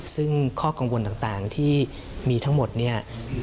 ซึ่งข้อกังวลต่างที่มีทั้งหมดเนี่ย